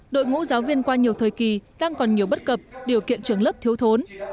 đội ngũ giáo viên qua nhiều thời kỳ đang còn nhiều bất cập điều kiện trường lớp thiếu thốn